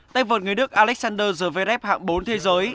tay vợt người đức alexander zverev hạng bốn thế giới